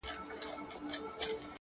علم د فکرونو رڼا خپروي’